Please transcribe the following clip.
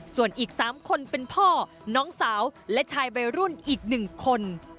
ส่วนอีกสามคนเป็นพ่อน้องสาวและชายใบรุ่นอีกหนึ่งคน